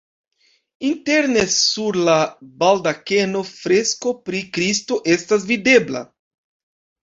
Interne sur la baldakeno fresko pri Kristo estas videbla.